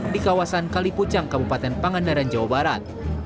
di kawasan kalipucang kabupaten pangandaran jawa barat